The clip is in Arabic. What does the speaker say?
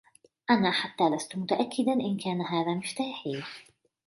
أنا حتىَ لستُ متأكداً إن كان هذا مفتاحي.